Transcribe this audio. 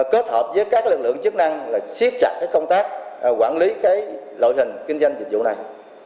kết hợp với các lực lượng chức năng là siết chặt công tác quản lý loại hình kinh doanh dịch vụ này